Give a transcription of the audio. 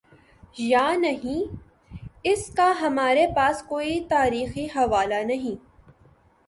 یانہیں، اس کا ہمارے پاس کوئی تاریخی حوالہ نہیں۔